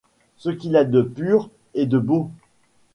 Ce qu'il a de pur et de beau